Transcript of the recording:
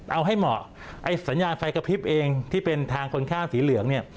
เอาให้เหมาะไอ้สัญญาณไฟกระพริบเองที่เป็นทางคนข้างสีเหลืองเนี่ย